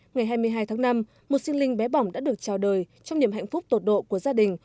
ngày hai mươi hai tháng năm một sinh linh bé bỏng đã được chào đời trong niềm hạnh phúc tột độ của gia đình